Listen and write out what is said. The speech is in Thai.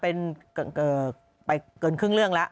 เป็นไปเกินครึ่งเรื่องแล้ว